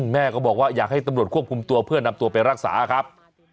แม่ก็บอกว่าอยากให้ตำรวจควบคุมตัวเพื่อนำตัวไปรักษาครับ